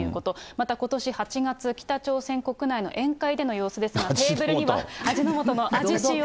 またことし８月、北朝鮮国内の宴会での様子ですが、テーブルには味の素のアジシオ。